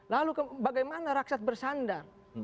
lalu bagaimana rakyat bersandar